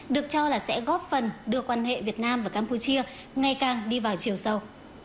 được cho là sẽ góp phần đưa quan hệ việt nam và campuchia ngày càng đi vào chiều sâu